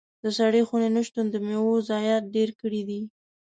د سړې خونې نه شتون د میوو ضايعات ډېر کړي دي.